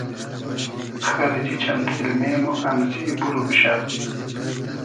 خئرجی چئن سیلنې مو امزی بور موشۂ